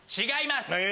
違います。